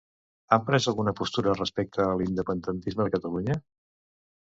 Han pres alguna postura respecte a l'independentisme de Catalunya?